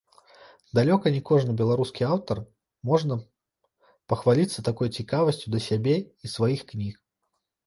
Далёка не кожны беларускі аўтар можна пахваліцца такой цікавасцю да сябе і сваіх кніг.